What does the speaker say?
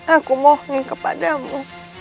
aku mohon kepadamu